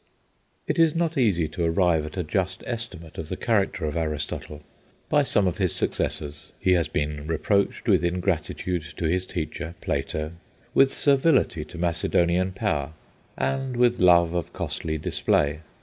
It is not easy to arrive at a just estimate of the character of Aristotle. By some of his successors he has been reproached with ingratitude to his teacher, Plato; with servility to Macedonian power, and with love of costly display.